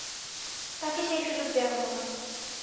তাঁকে সেই সুযোগ দেয়া হল না।